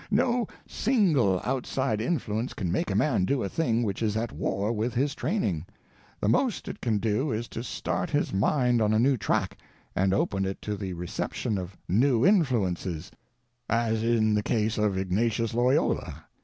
No _single _outside influence can make a man do a thing which is at war with his training. The most it can do is to start his mind on a new tract and open it to the reception of _new _influences—as in the case of Ignatius Loyola.